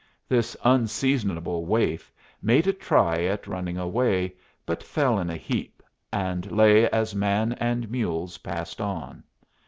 This unseasonable waif made a try at running away, but fell in a heap, and lay as man and mules passed on.